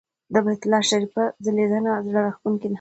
د بیت الله شریفه ځلېدنه زړه راښکونکې ده.